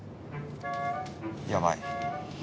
やばい。